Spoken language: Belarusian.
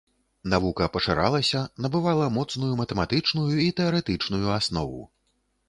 Навука пашыралася, набывала моцную матэматычную і тэарэтычную аснову.